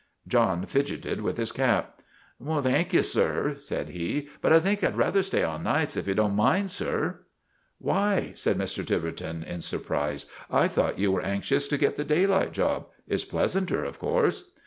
John fidgeted' with his cap. "Thank you, sir," said he, "but I think I'd rather stay on nights, if you don't mind, sir." " Why," said Mr. Tiverton, in surprise, " I thought you were anxious to get the daylight job. It 's pleasanter, of course."